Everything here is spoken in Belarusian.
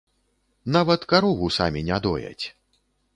Нават карову самі не дояць.